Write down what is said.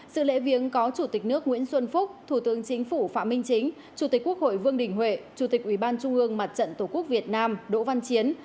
sự lễ viếng có chủ tịch nước nguyễn xuân phúc thủ tướng chính phủ phạm minh chính chủ tịch quốc hội vương đình huệ chủ tịch ủy ban trung ương mặt trận tổ quốc việt nam đỗ văn chiến